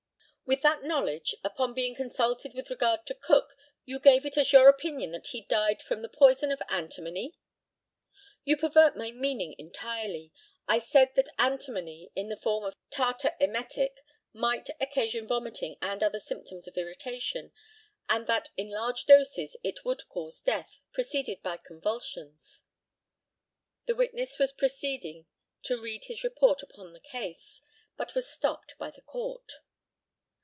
With that knowledge, upon being consulted with regard to Cook, you gave it as your opinion that he died from the poison of antimony? You pervert my meaning entirely. I said that antimony in the form of tartar emetic might occasion vomiting and other symptoms of irritation, and that in large doses it would cause death, preceded by convulsions. [The witness was proceeding to read his report upon the case, but was stopped by the Court.